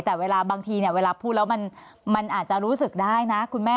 แต่เวลาบางทีเนี่ยเวลาพูดแล้วมันอาจจะรู้สึกได้นะคุณแม่